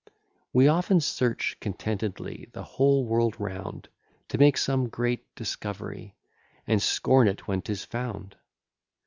We often search contentedly the whole world round, To make some great discovery, And scorn it when 'tis found.